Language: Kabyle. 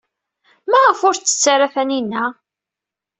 Maɣef ur tettett ara Taninna?